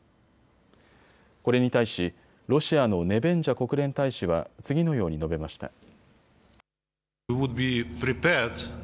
これに対しロシアのネベンジャ国連大使は次のように述べました。